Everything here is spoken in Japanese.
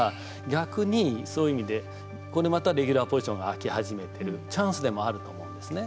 逆に、そういう意味でこれまたレギュラーポジションが空き始めてるチャンスでもあると思うんですね。